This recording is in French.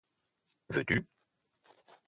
Veux-tu?